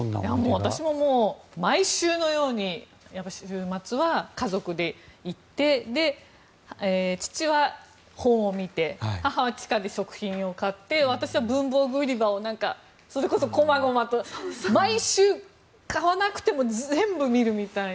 私も毎週のように週末は家族で行って父は本を見て、母は地下で食品を買って私は文房具売り場をそれこそこまごまと毎週買わなくても全部見るみたいな。